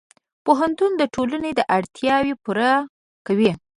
پوهنتون د ټولنې اړتیاوې پوره کوي.